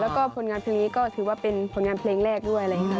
แล้วก็ผลงานเพลงนี้ก็ถือว่าเป็นผลงานเพลงแรกด้วย